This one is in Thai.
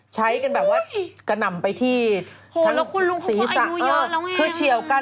ใช้กันแบบว่ากระหน่ำไปที่ศีรษะเยอะคือเฉียวกัน